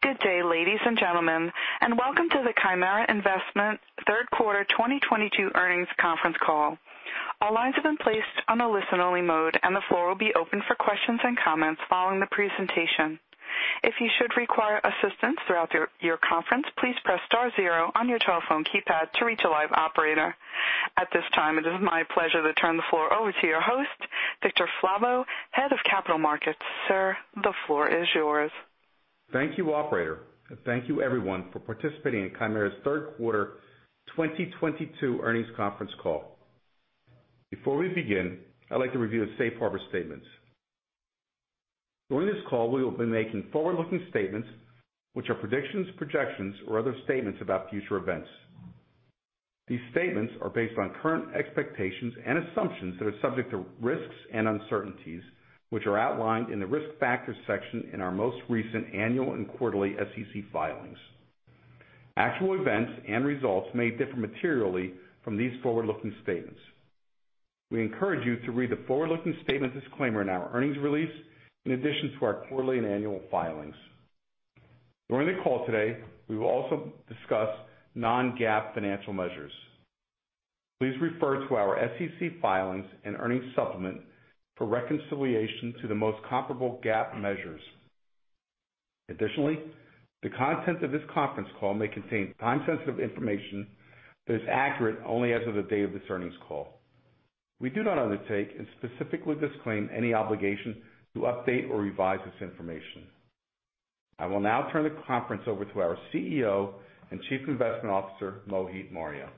Good day, ladies and gentlemen, and welcome to the Chimera Investment third quarter 2022 earnings conference call. All lines have been placed on a listen-only mode, and the floor will be open for questions and comments following the presentation. If you should require assistance throughout your conference, please press star zero on your telephone keypad to reach a live operator. At this time, it is my pleasure to turn the floor over to your host, Victor Falvo, Head of Capital Markets. Sir, the floor is yours. Thank you, operator. Thank you everyone for participating in Chimera's third quarter 2022 earnings conference call. Before we begin, I'd like to review the safe harbor statements. During this call, we will be making forward-looking statements which are predictions, projections, or other statements about future events. These statements are based on current expectations and assumptions that are subject to risks and uncertainties, which are outlined in the Risk Factors section in our most recent annual and quarterly SEC filings. Actual events and results may differ materially from these forward-looking statements. We encourage you to read the forward-looking statements disclaimer in our earnings release in addition to our quarterly and annual filings. During the call today, we will also discuss non-GAAP financial measures. Please refer to our SEC filings and earnings supplement for reconciliation to the most comparable GAAP measures. Additionally, the content of this conference call may contain time-sensitive information that is accurate only as of the day of this earnings call. We do not undertake and specifically disclaim any obligation to update or revise this information. I will now turn the conference over to our CEO and Chief Investment Officer, Mohit Marria.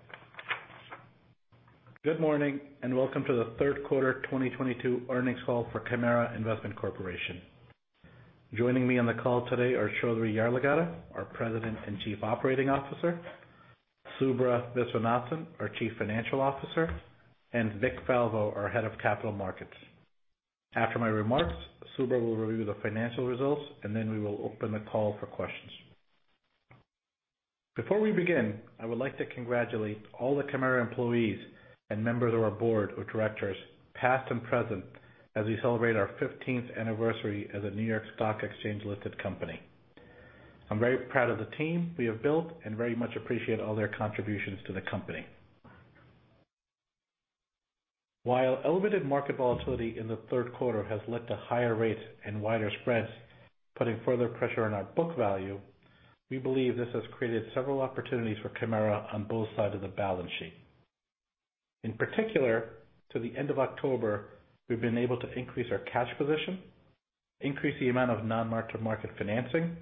Good morning and welcome to the third quarter 2022 earnings call for Chimera Investment Corporation. Joining me on the call today are Choudhary Yarlagadda, our President and Chief Operating Officer, Subra Viswanathan, our Chief Financial Officer, and Vic Falvo, our Head of Capital Markets. After my remarks, Subra will review the financial results, and then we will open the call for questions. Before we begin, I would like to congratulate all the Chimera employees and members of our board of directors, past and present, as we celebrate our 15th anniversary as a New York Stock Exchange-listed company. I'm very proud of the team we have built and very much appreciate all their contributions to the company. While elevated market volatility in the third quarter has led to higher rates and wider spreads, putting further pressure on our book value, we believe this has created several opportunities for Chimera on both sides of the balance sheet. In particular, to the end of October, we've been able to increase our cash position, increase the amount of non-mark-to-market financing,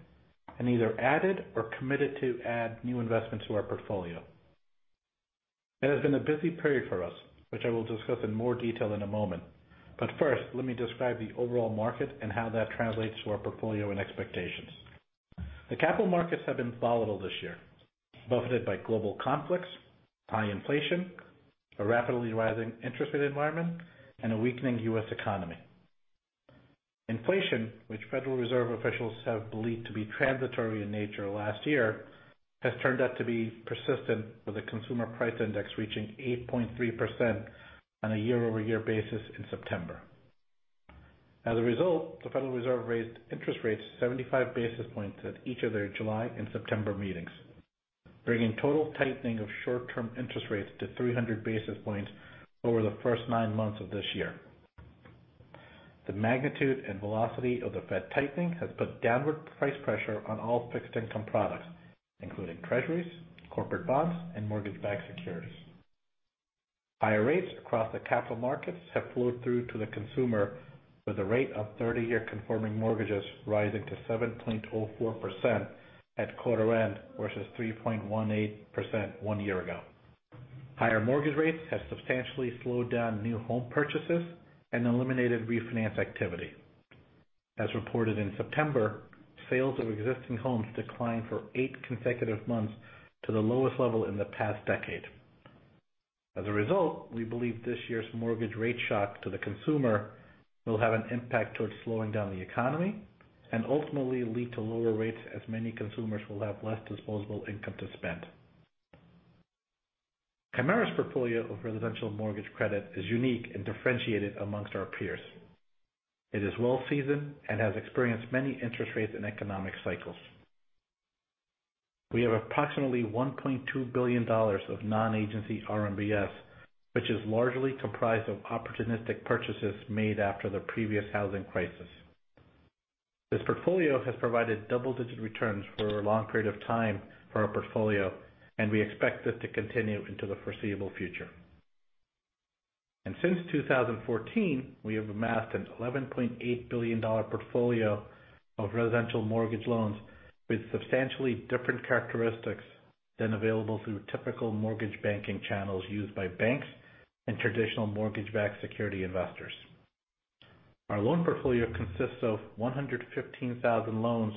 and either added or committed to add new investments to our portfolio. It has been a busy period for us, which I will discuss in more detail in a moment, but first, let me describe the overall market and how that translates to our portfolio and expectations. The capital markets have been volatile this year, buffeted by global conflicts, high inflation, a rapidly rising interest rate environment, and a weakening U.S. economy. Inflation, which Federal Reserve officials have believed to be transitory in nature last year, has turned out to be persistent, with the consumer price index reaching 8.3% on a year-over-year basis in September. As a result, the Federal Reserve raised interest rates 75 basis points at each of their July and September meetings, bringing total tightening of short-term interest rates to 300 basis points over the first nine months of this year. The magnitude and velocity of the Fed tightening has put downward price pressure on all fixed income products, including treasuries, corporate bonds, and mortgage-backed securities. Higher rates across the capital markets have flowed through to the consumer, with a rate of 30-year conforming mortgages rising to 7.4% at quarter end versus 3.18% one year ago. Higher mortgage rates have substantially slowed down new home purchases and eliminated refinance activity. As reported in September, sales of existing homes declined for eight consecutive months to the lowest level in the past decade. As a result, we believe this year's mortgage rate shock to the consumer will have an impact towards slowing down the economy and ultimately lead to lower rates, as many consumers will have less disposable income to spend. Chimera's portfolio of residential mortgage credit is unique and differentiated among our peers. It is well seasoned and has experienced many interest rates and economic cycles. We have approximately $1.2 billion of non-agency RMBS, which is largely comprised of opportunistic purchases made after the previous housing crisis. This portfolio has provided double-digit returns for a long period of time for our portfolio, and we expect it to continue into the foreseeable future. Since 2014, we have amassed a $11.8 billion portfolio of residential mortgage loans with substantially different characteristics than available through typical mortgage banking channels used by banks and traditional mortgage-backed security investors. Our loan portfolio consists of 115,000 loans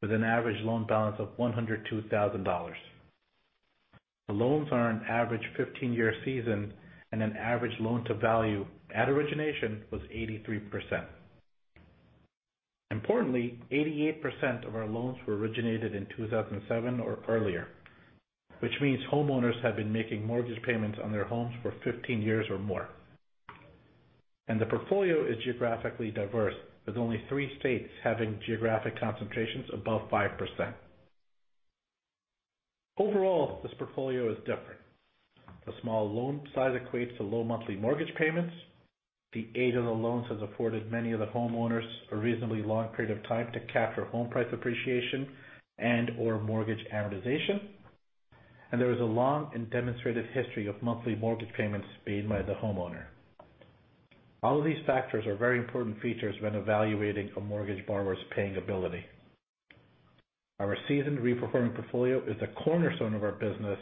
with an average loan balance of $102,000. The loans are an average 15-year seasoning and an average loan-to-value at origination was 83%. Importantly, 88% of our loans were originated in 2007 or earlier, which means homeowners have been making mortgage payments on their homes for 15 years or more. The portfolio is geographically diverse, with only three states having geographic concentrations above 5%. Overall, this portfolio is different. The small loan size equates to low monthly mortgage payments. The age of the loans has afforded many of the homeowners a reasonably long period of time to capture home price appreciation and or mortgage amortization. There is a long and demonstrated history of monthly mortgage payments made by the homeowner. All of these factors are very important features when evaluating a mortgage borrower's paying ability. Our seasoned reperforming portfolio is a cornerstone of our business,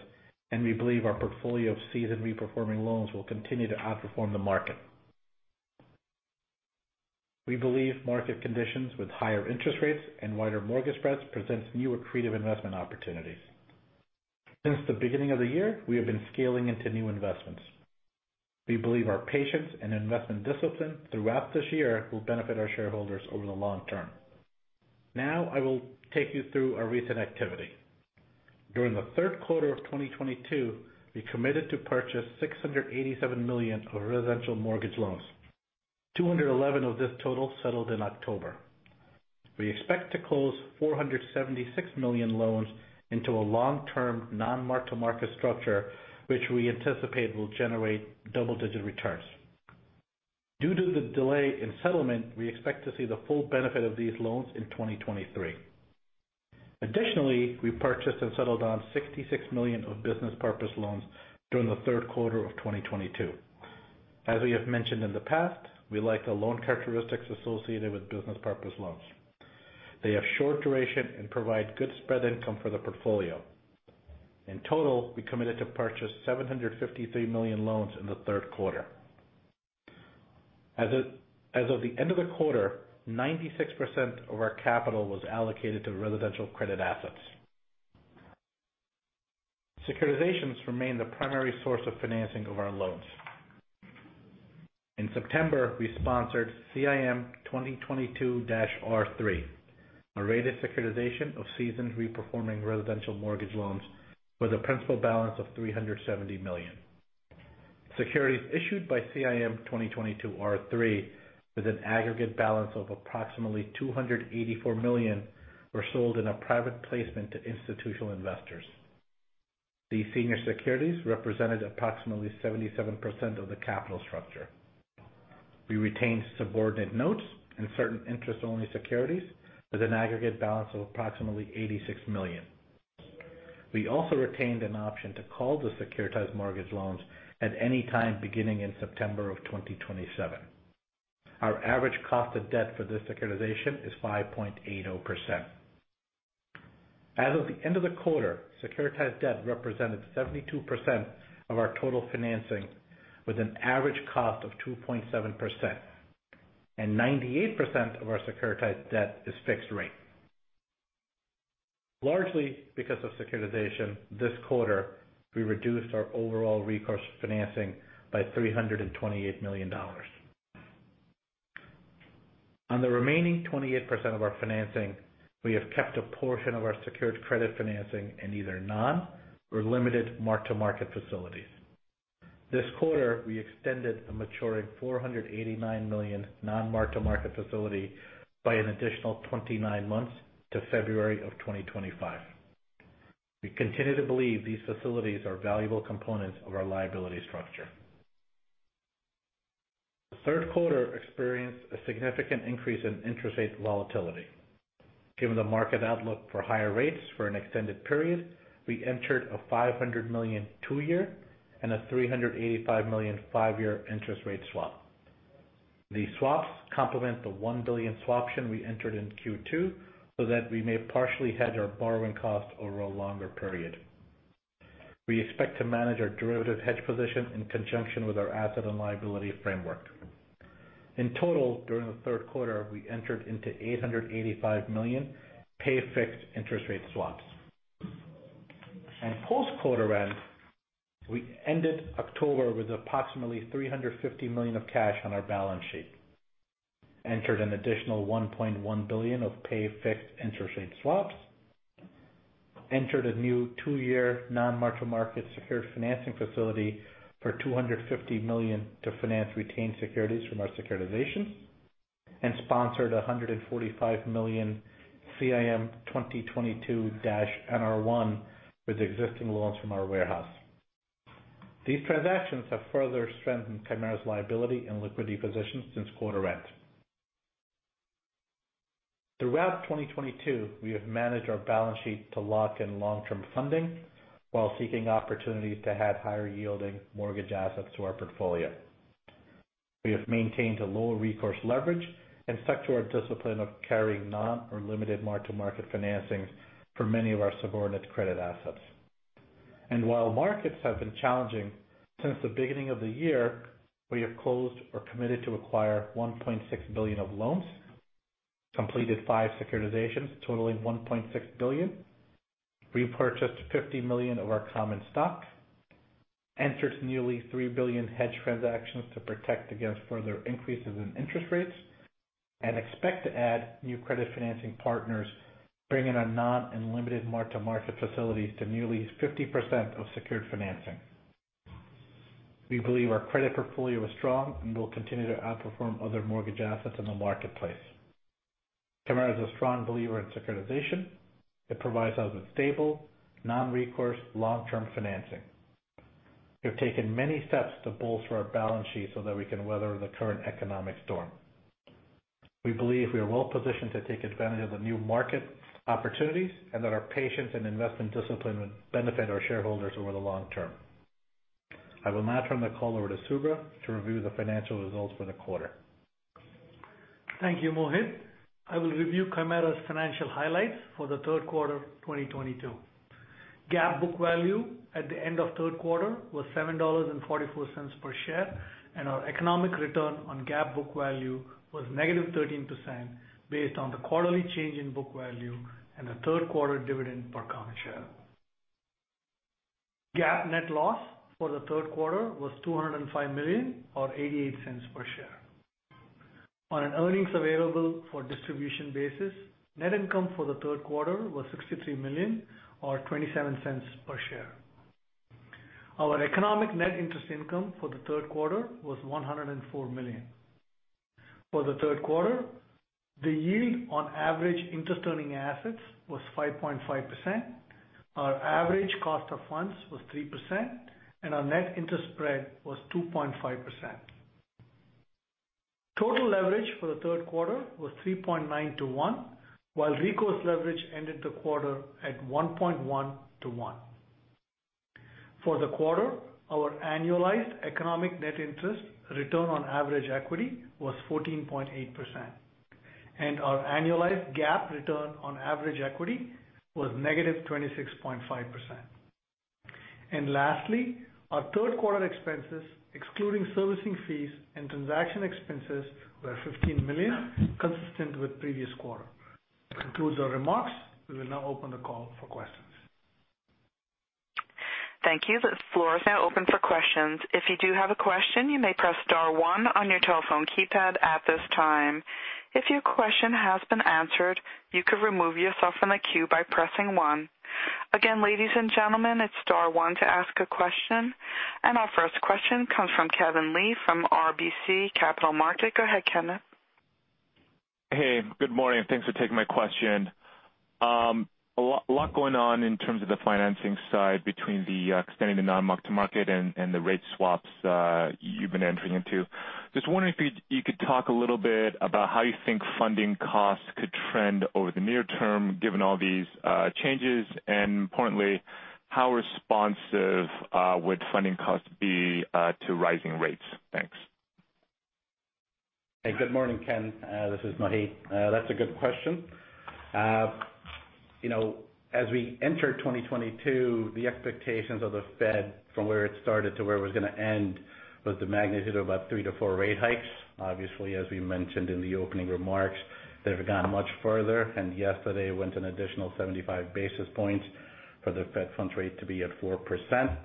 and we believe our portfolio of seasoned reperforming loans will continue to outperform the market. We believe market conditions with higher interest rates and wider mortgage spreads presents new accretive investment opportunities. Since the beginning of the year, we have been scaling into new investments. We believe our patience and investment discipline throughout this year will benefit our shareholders over the long term. Now I will take you through our recent activity. During the third quarter of 2022, we committed to purchase $687 million of residential mortgage loans. $211 million of this total settled in October. We expect to close $476 million loans into a long-term non-mark-to-market structure, which we anticipate will generate double-digit returns. Due to the delay in settlement, we expect to see the full benefit of these loans in 2023. Additionally, we purchased and settled on $66 million of business purpose loans during the third quarter of 2022. As we have mentioned in the past, we like the loan characteristics associated with business purpose loans. They have short duration and provide good spread income for the portfolio. In total, we committed to purchase $753 million loans in the third quarter. As of the end of the quarter, 96% of our capital was allocated to residential credit assets. Securitizations remain the primary source of financing of our loans. In September, we sponsored CIM 2022-R3, a rated securitization of seasoned reperforming residential mortgage loans with a principal balance of $370 million. Securities issued by CIM 2022-R3, with an aggregate balance of approximately $284 million, were sold in a private placement to institutional investors. These senior securities represented approximately 77% of the capital structure. We retained subordinate notes and certain interest-only securities with an aggregate balance of approximately $86 million. We also retained an option to call the securitized mortgage loans at any time beginning in September 2027. Our average cost of debt for this securitization is 5.80%. As of the end of the quarter, securitized debt represented 72% of our total financing, with an average cost of 2.7%. 98% of our securitized debt is fixed rate. Largely because of securitization, this quarter we reduced our overall recourse financing by $328 million. On the remaining 28% of our financing, we have kept a portion of our secured credit financing in either non- or limited mark-to-market facilities. This quarter, we extended a maturing $489 million non-mark-to-market facility by an additional 29 months to February 2025. We continue to believe these facilities are valuable components of our liability structure. The third quarter experienced a significant increase in interest rate volatility. Given the market outlook for higher rates for an extended period, we entered a $500 million two-year and a $385 million five-year interest rate swap. The swaps complement the $1 billion swap option we entered in Q2 so that we may partially hedge our borrowing costs over a longer period. We expect to manage our derivative hedge position in conjunction with our asset and liability framework. In total, during the third quarter, we entered into $885 million pay fixed interest rate swaps. Post quarter end, we ended October with approximately $350 million of cash on our balance sheet, entered an additional $1.1 billion of pay-fixed interest rate swaps, entered a new two-year non-mark-to-market secured financing facility for $250 million to finance retained securities from our securitization, and sponsored a $145 million CIM 2022-NR1 with existing loans from our warehouse. These transactions have further strengthened Chimera's liability and liquidity position since quarter end. Throughout 2022, we have managed our balance sheet to lock in long-term funding while seeking opportunities to add higher yielding mortgage assets to our portfolio. We have maintained a lower recourse leverage and stuck to our discipline of carrying non- or limited mark-to-market financings for many of our subordinate credit assets. While markets have been challenging since the beginning of the year, we have closed or committed to acquire $1.6 billion of loans, completed five securitizations totaling $1.6 billion, repurchased $50 million of our common stock, entered nearly $3 billion hedge transactions to protect against further increases in interest rates and expect to add new credit financing partners, bringing our non-mark-to-market facilities to nearly 50% of secured financing. We believe our credit portfolio is strong and will continue to outperform other mortgage assets in the marketplace. Chimera is a strong believer in securitization. It provides us with stable, non-recourse, long-term financing. We have taken many steps to bolster our balance sheet so that we can weather the current economic storm. We believe we are well-positioned to take advantage of the new market opportunities and that our patience and investment discipline would benefit our shareholders over the long term. I will now turn the call over to Subra to review the financial results for the quarter. Thank you, Mohit. I will review Chimera's financial highlights for the third quarter of 2022. GAAP book value at the end of third quarter was $7.44 per share, and our economic return on GAAP book value was -13% based on the quarterly change in book value and the third quarter dividend per common share. GAAP net loss for the third quarter was $205 million or $0.88 per share. On an Earnings Available for Distribution basis, net income for the third quarter was $63 million or $0.27 per share. Our economic net interest income for the third quarter was $104 million. For the third quarter, the yield on average interest earning assets was 5.5%. Our average cost of funds was 3%, and our net interest spread was 2.5%. Total leverage for the third quarter was 3.9-1, while recourse leverage ended the quarter at 1.1-1. For the quarter, our annualized economic net interest return on average equity was 14.8%, and our annualized GAAP return on average equity was -26.5%. Lastly, our third quarter expenses excluding servicing fees and transaction expenses were $15 million, consistent with previous quarter. That concludes our remarks. We will now open the call for questions. Thank you. The floor is now open for questions. If you do have a question, you may press star one on your telephone keypad at this time. If your question has been answered, you could remove yourself from the queue by pressing one. Again, ladies and gentlemen, it's star one to ask a question. Our first question comes from Kenneth Lee from RBC Capital Markets. Go ahead, Kenneth. Hey, good morning. Thanks for taking my question. A lot going on in terms of the financing side between the extending the non-mark-to-market and the rate swaps you've been entering into. Just wondering if you could talk a little bit about how you think funding costs could trend over the near term given all these changes. Importantly, how responsive would funding costs be to rising rates? Thanks. Hey, good morning, Ken. This is Mohit. That's a good question. You know, as we entered 2022, the expectations of the Fed from where it started to where it was gonna end was the magnitude of about 3-4 rate hikes. Obviously, as we mentioned in the opening remarks, they've gone much further, and yesterday went an additional 75 basis points for the Fed funds rate to be at 4%.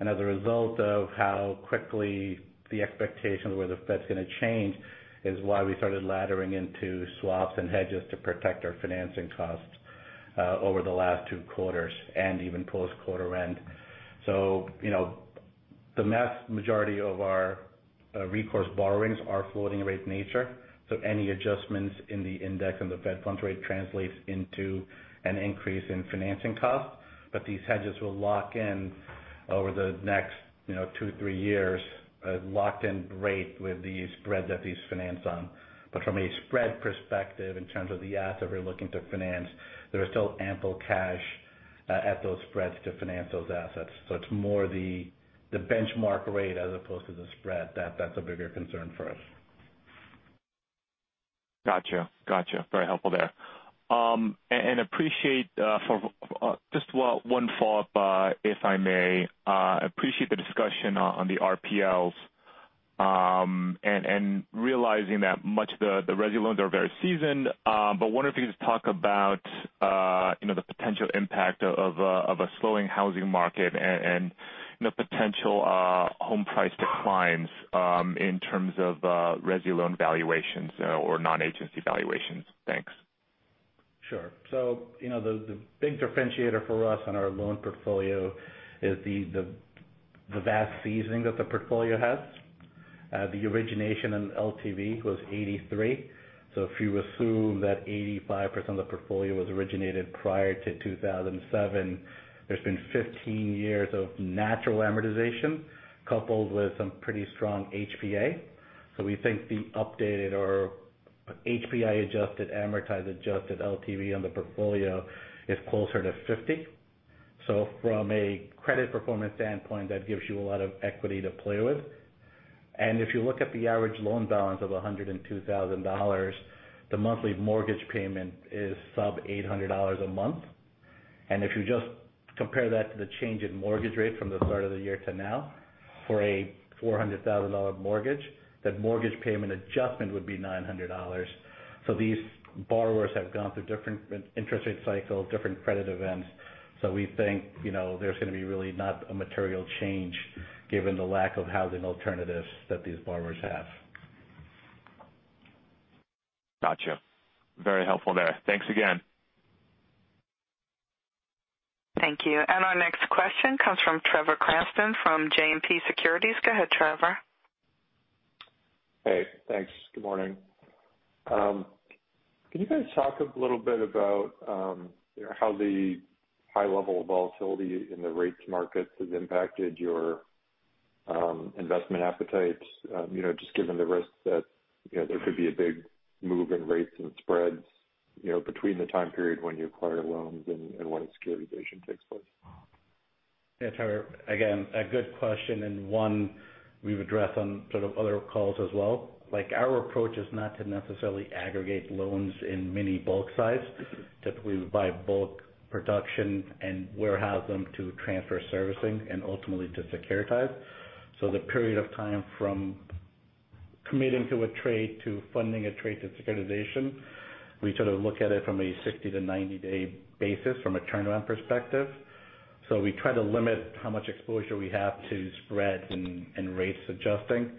As a result of how quickly the expectations where the Fed's gonna change is why we started laddering into swaps and hedges to protect our financing costs over the last two quarters and even post-quarter end. You know, the vast majority of our recourse borrowings are floating rate nature. Any adjustments in the index and the Fed funds rate translates into an increase in financing costs. These hedges will lock in over the next, you know, 2-3 years at locked in rate with the spreads that these finance on. From a spread perspective in terms of the assets we're looking to finance, there is still ample cash, at those spreads to finance those assets. It's more the benchmark rate as opposed to the spread that's a bigger concern for us. Gotcha. Very helpful there. Appreciate for just one follow-up, if I may. Appreciate the discussion on the RPLs, and realizing that much the resi loans are very seasoned. Wonder if you could just talk about, you know, the potential impact of a slowing housing market and the potential home price declines, in terms of resi loan valuations or non-agency valuations. Thanks. Sure. You know, the big differentiator for us on our loan portfolio is the vast seasoning that the portfolio has. The origination and LTV was 83. If you assume that 85% of the portfolio was originated prior to 2007, there's been 15 years of natural amortization coupled with some pretty strong HPA. We think the updated or HPA-adjusted, amortized-adjusted LTV on the portfolio is closer to 50. From a credit performance standpoint, that gives you a lot of equity to play with. If you look at the average loan balance of $102,000, the monthly mortgage payment is sub $800 a month. If you just compare that to the change in mortgage rate from the start of the year to now for a $400,000 mortgage, that mortgage payment adjustment would be $900. These borrowers have gone through different interest rate cycles, different credit events. We think, you know, there's gonna be really not a material change given the lack of housing alternatives that these borrowers have. Gotcha. Very helpful there. Thanks again. Thank you. Our next question comes from Trevor Cranston from JMP Securities. Go ahead, Trevor. Hey, thanks. Good morning. Can you guys talk a little bit about how the high level of volatility in the rates markets has impacted your investment appetites? You know, just given the risks that you know there could be a big move in rates and spreads, you know, between the time period when you acquire loans and when securitization takes place. Yeah. Trevor, again, a good question, and one we've addressed on sort of other calls as well. Like, our approach is not to necessarily aggregate loans in mini bulk size. Typically, we buy bulk production and warehouse them to transfer servicing and ultimately to securitize. The period of time from committing to a trade, to funding a trade to securitization, we sort of look at it from a 60- to 90-day basis from a turnaround perspective. We try to limit how much exposure we have to spreads and rates adjusting.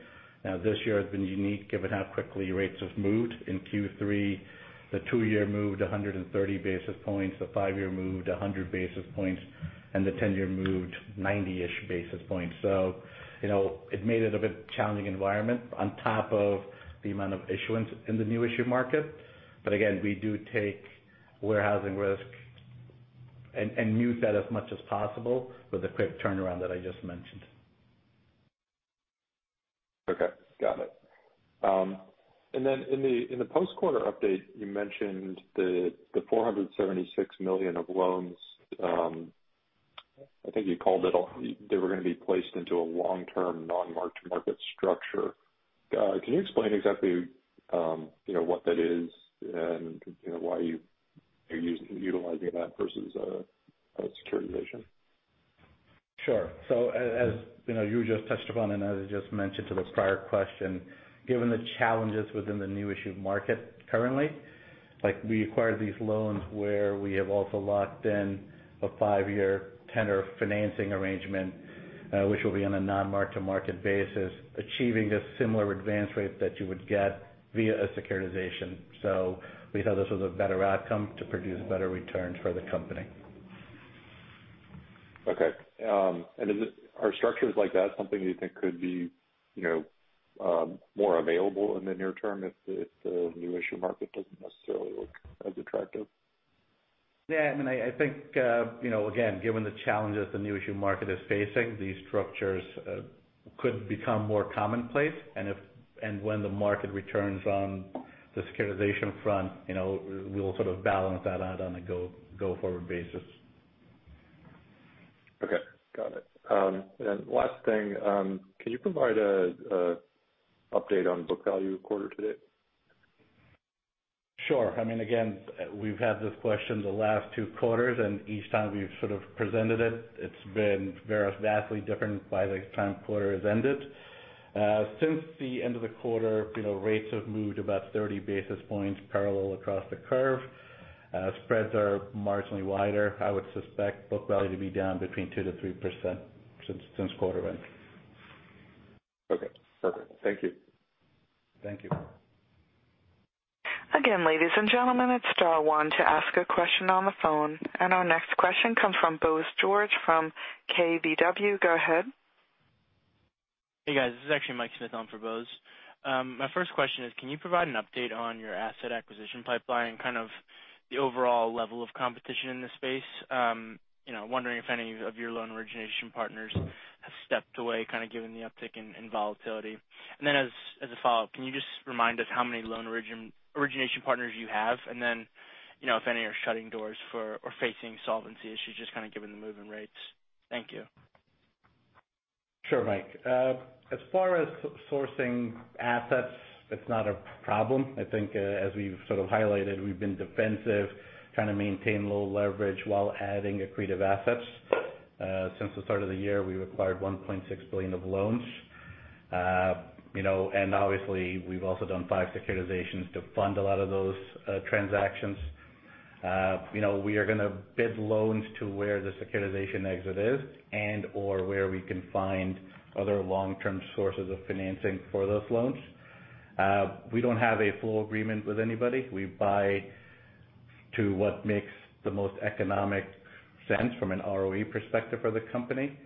Now, this year has been unique given how quickly rates have moved. In Q3, the two-year moved 130 basis points, the five-year moved 100 basis points, and the 10-year moved 90-ish basis points. You know, it made it a bit challenging environment on top of the amount of issuance in the new issue market. Again, we do take warehousing risk and mitigate that as much as possible with a quick turnaround that I just mentioned. Okay. Got it. In the post-quarter update, you mentioned the $476 million of loans. I think you called it they were gonna be placed into a long-term non-mark-to-market structure. Can you explain exactly what that is and why you are utilizing that versus a securitization? Sure. As you know, you just touched upon, and as I just mentioned to the prior question, given the challenges within the new issue market currently, like we acquired these loans where we have also locked in a five-year term financing arrangement, which will be on a non-mark-to-market basis, achieving a similar advance rate that you would get via a securitization. We thought this was a better outcome to produce better returns for the company. Okay. Are structures like that something you think could be, you know, more available in the near term if the new issue market doesn't necessarily look as attractive? Yeah, I mean, I think, you know, again, given the challenges the new issue market is facing, these structures could become more commonplace, and when the market returns on the securitization front, you know, we'll sort of balance that out on a go-forward basis. Okay. Got it. Last thing, can you provide a update on book value quarter-to-date? Sure. I mean, again, we've had this question the last two quarters, and each time we've sort of presented it's been very vastly different by the time quarter has ended. Since the end of the quarter, you know, rates have moved about 30 basis points parallel across the curve. Spreads are marginally wider. I would suspect book value to be down between 2%-3% since quarter end. Okay, perfect. Thank you. Thank you. Again, ladies and gentlemen, it's star one to ask a question on the phone. Our next question comes from Bose George from KBW. Go ahead. Hey, guys. This is actually Michael Smyth on for Bose. My first question is, can you provide an update on your asset acquisition pipeline and kind of the overall level of competition in this space? You know, wondering if any of your loan origination partners have stepped away, kind of given the uptick in volatility. As a follow-up, can you just remind us how many loan origination partners you have? You know, if any are shutting doors or facing solvency issues, just kind of given the move in rates. Thank you. Sure, Mike. As far as sourcing assets, it's not a problem. I think, as we've sort of highlighted, we've been defensive, trying to maintain low leverage while adding accretive assets. Since the start of the year, we've acquired $1.6 billion of loans. You know, obviously we've also done five securitizations to fund a lot of those transactions. You know, we are gonna bid loans to where the securitization exit is and/or where we can find other long-term sources of financing for those loans. We don't have a full agreement with anybody. We buy to what makes the most economic sense from an ROE perspective for the company.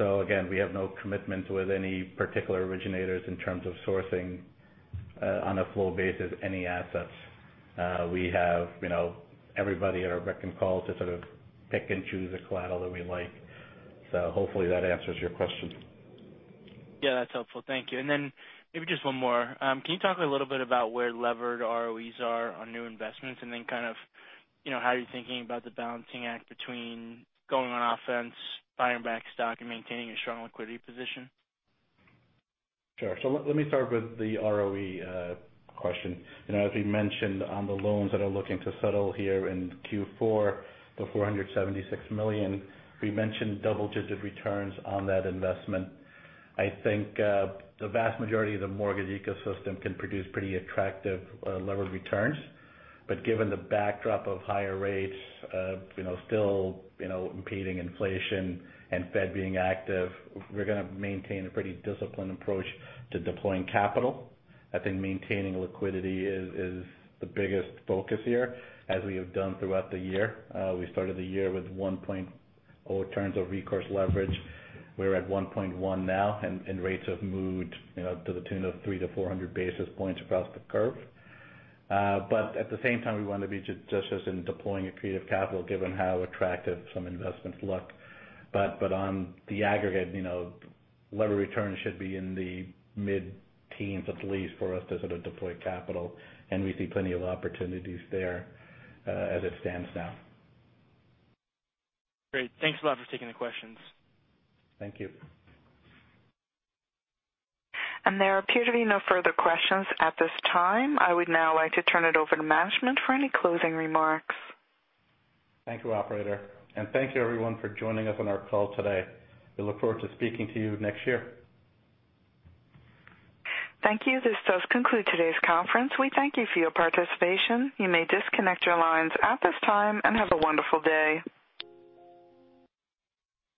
Again, we have no commitments with any particular originators in terms of sourcing, on a flow basis, any assets. We have, you know, everybody at our beck and call to sort of pick and choose the collateral that we like. Hopefully that answers your question. Yeah, that's helpful. Thank you. Maybe just one more. Can you talk a little bit about where levered ROEs are on new investments and then kind of, you know, how you're thinking about the balancing act between going on offense, buying back stock, and maintaining a strong liquidity position? Sure. Let me start with the ROE question. You know, as we mentioned on the loans that are looking to settle here in Q4, the $476 million, we mentioned double-digit returns on that investment. I think the vast majority of the mortgage ecosystem can produce pretty attractive levered returns. Given the backdrop of higher rates, you know, still impeding inflation and Fed being active, we're gonna maintain a pretty disciplined approach to deploying capital. I think maintaining liquidity is the biggest focus here, as we have done throughout the year. We started the year with 1.0 or in terms of recourse leverage. We're at 1.1 now, and rates have moved, you know, to the tune of 300-400 basis points across the curve. At the same time, we wanna be just as in deploying accretive capital, given how attractive some investments look. On the aggregate, you know, levered returns should be in the mid-teens at least for us to sort of deploy capital. We see plenty of opportunities there, as it stands now. Great. Thanks a lot for taking the questions. Thank you. There appear to be no further questions at this time. I would now like to turn it over to management for any closing remarks. Thank you, operator. Thank you everyone for joining us on our call today. We look forward to speaking to you next year. Thank you. This does conclude today's conference. We thank you for your participation. You may disconnect your lines at this time, and have a wonderful day.